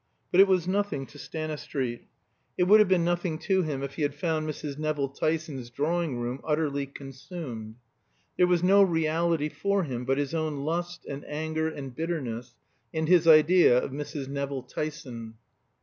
But it was nothing to Stanistreet. It would have been nothing to him if he had found Mrs. Nevill Tyson's drawing room utterly consumed. There was no reality for him but his own lust, and anger, and bitterness, and his idea of Mrs. Nevill Tyson.